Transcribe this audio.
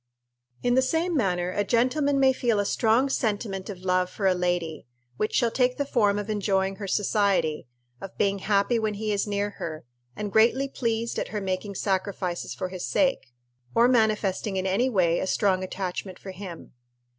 In the same manner a gentleman may feel a strong sentiment of love for a lady, which shall take the form of enjoying her society, of being happy when he is near her, and greatly pleased at her making sacrifices for his sake, or manifesting in any way a strong attachment for him.